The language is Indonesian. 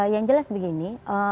yang jelas begini